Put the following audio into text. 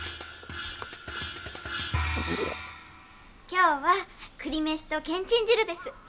今日は栗飯とけんちん汁です。